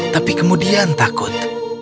tapi kemudian takut